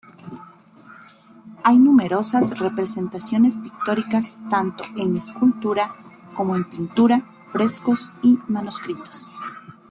Hay numerosas representaciones pictóricas, tanto en escultura, como en pintura, frescos y manuscritos.